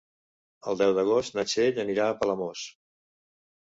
El deu d'agost na Txell anirà a Palamós.